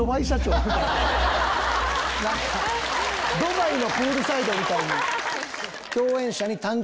ドバイのプールサイドみたいに。